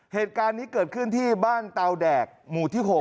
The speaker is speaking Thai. เหตุการณ์นี้เกิดขึ้นที่บ้านเตาแดกหมู่ที่๖